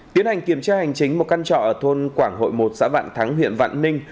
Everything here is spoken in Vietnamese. tiến hành kiểm tra hành chính một căn trọ ở thôn quảng hội một xã vạn thắng huyện vạn ninh